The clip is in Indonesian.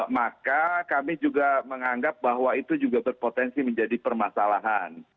maka kami juga menganggap bahwa itu juga berpotensi menjadi permasalahan